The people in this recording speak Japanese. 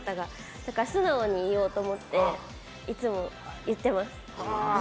だから素直に言おうと思っていつも言ってます。